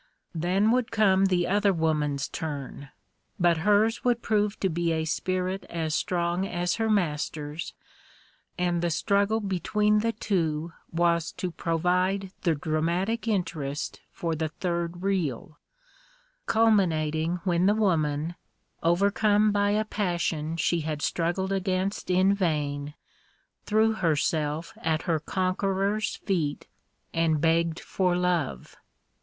Then would come the other woman's turn; but hers would prove to be a spirit as strong as her master's, and the struggle between the two was to provide the dramatic interest for the third reel, culminating when the woman, overcome by a passion she had struggled against in vain, threw herself at her conqueror's feet, and begged for love.